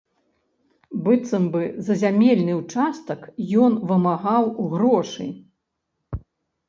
Быццам бы за зямельны ўчастак ён вымагаў грошы.